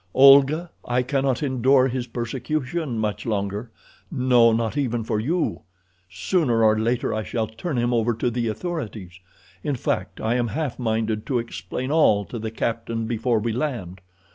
Olga, I cannot endure his persecution much longer. No, not even for you. Sooner or later I shall turn him over to the authorities. In fact, I am half minded to explain all to the captain before we land.